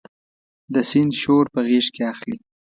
د سیند شور په غیږ کې اخلي